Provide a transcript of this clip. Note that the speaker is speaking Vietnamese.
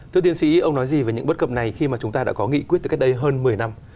thưa tiến sĩ ông nói gì về những bất cập này khi mà chúng ta đã có nghị quyết từ cách đây hơn một mươi năm